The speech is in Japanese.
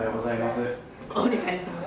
お願いします。